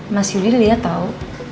mas yuli liat tau